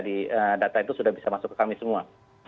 di data itu sudah bisa masuk ke kami semua